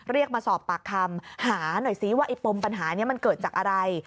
เรียกมาสอบปากคำหาหน่อยซิว่าไอ้ปมปัญหานี้มันเกิดจากอะไร